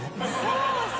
そうそう。